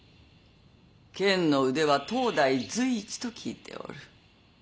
剣の腕は当代随一と聞いておる。